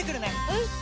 うん！